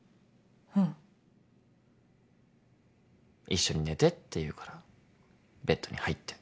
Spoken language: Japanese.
一緒に寝てって言うからベッドに入って。